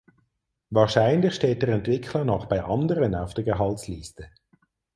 Wahrscheinlich steht der Entwickler noch bei anderen auf der Gehaltsliste.